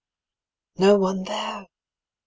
No one there !